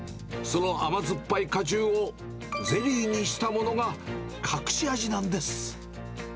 その甘酸っぱい果汁をゼリーにしたものが隠し味なんです。